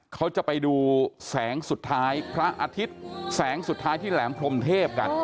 เขาจะไปดูแสงสุดท้ายพระอาทิตย์แสงสุดท้ายที่แหลมพรมเทพกัน